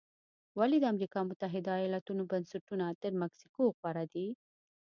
ولې د امریکا متحده ایالتونو بنسټونه تر مکسیکو غوره دي؟